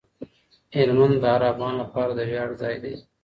هلمند د هر افغان لپاره د ویاړ ځای دی.